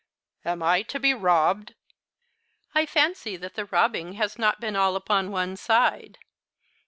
"Am I to be robbed " "I fancy that the robbing has not been all upon one side."